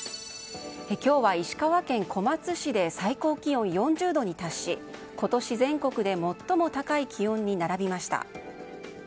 今日は石川県小松市で最高気温４０度に達し今年、全国で最も高い気温に並びました。